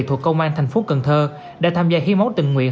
thuộc công an tp cn đã tham gia hiến máu tình nguyện